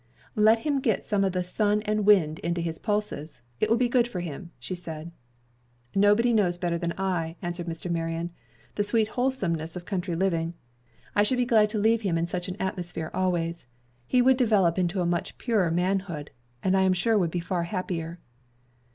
"Let him get some of 'the sun and wind into his pulses.' It will be good for him," she said. "Nobody knows better than I," answered Mr. Marion, "the sweet wholesomeness of country living. I should be glad to leave him in such an atmosphere always. He would develop into a much purer manhood, and I am sure would be far happier."